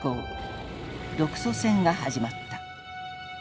独ソ戦が始まった。